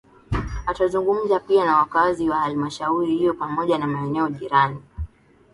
Atazungumza pia na wakazi wa Halmashauri hiyo pamoja na maeneo jirani